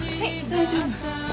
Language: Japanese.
大丈夫？